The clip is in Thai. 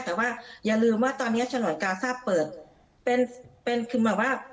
แต่ว่าอย่าลืมว่าตอนนี้ฉนวนกาซ่าเปิดเป็นเป็นคือแบบว่า